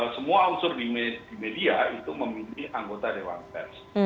semua unsur di media itu memilih anggota dewan pers